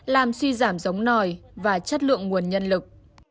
làm suy giảm giống nòi và chất lượng nguồn nhân lực